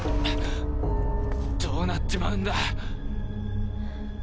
どうなっちまうんだ。